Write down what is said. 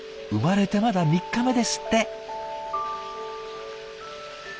生まれてまだ３日目ですって。